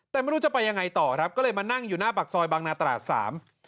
แต่ไม่รู้จะไปยังไงต่อครับก็เลยมานั่งอยู่หน้าปากซอยบางนาตราดสาม